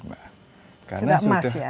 sudah emas ya